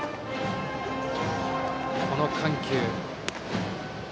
この緩急。